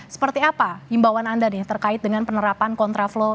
seperti apa himbauan anda nih terkait dengan penerapan kontraflow